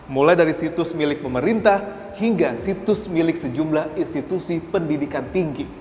mulai dari situs milik pemerintah hingga situs milik sejumlah institusi pendidikan tinggi